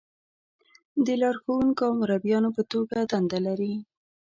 د لارښونکو او مربیانو په توګه دنده لري.